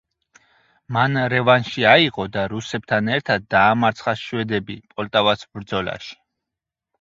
მან რევანში აიღო და რუსებთან ერთად დაამარცხა შვედები პოლტავას ბრძოლაში.